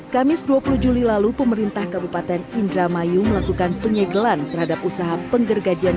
kamis dua puluh juli lalu pemerintah kabupaten indramayu melakukan penyegelan terhadap usaha penggergajian